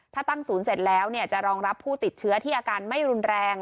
ถ้าตั้งศูนย์เสร็จแล้วจะรองรับผู้ติดเชื้อที่อาการไม่รุนแรง